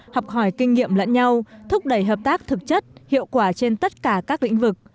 học hỏi kinh nghiệm lẫn nhau thúc đẩy hợp tác thực chất hiệu quả trên tất cả các lĩnh vực